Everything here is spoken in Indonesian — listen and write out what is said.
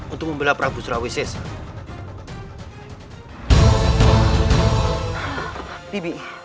untuk membela pragu sura wisesa